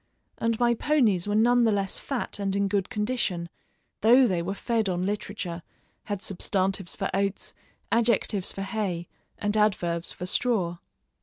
And my ponies were none the less fat and in good condition though they were fed on literature, had substantives for oats, adjectives for hay, and adverbs for straw.